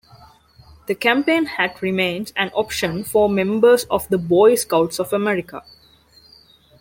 The campaign hat remains an option for members of the Boy Scouts of America.